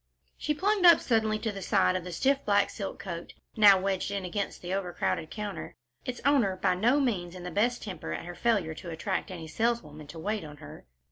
She plunged up suddenly to the side of the stiff black silk coat, now wedged in against the overcrowded counter, its owner by no means in the best temper at her failure to attract any saleswoman to wait on her.